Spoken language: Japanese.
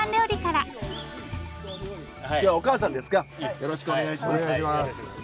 よろしくお願いします。